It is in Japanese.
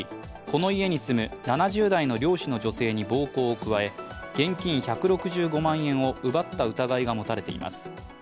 この家に住む７０代の漁師の女性に暴行を加え、現金１６５万円を奪った疑いが持たれています。